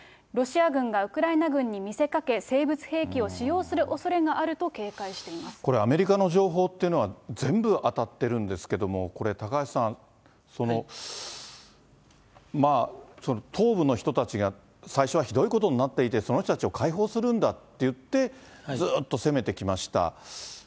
ロシア軍がウクライナ軍に見せかけ、生物兵器を使用するおそれがこれ、アメリカの情報っていうのは、全部当たってるんですけれども、これ、高橋さん、東部の人たちが最初はひどいことになっていて、その人たちを解放するんだっていって、ずっと攻めてきました。